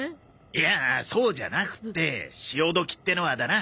いやそうじゃなくって潮時ってのはだな。